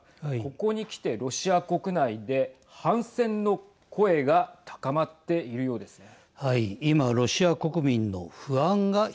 ここにきてロシア国内で反戦の声が高まっているようですね。